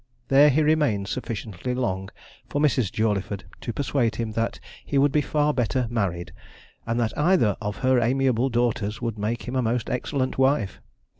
There he remained sufficiently long for Mrs. Jawleyford to persuade him that he would be far better married, and that either of her amiable daughters would make him a most excellent wife.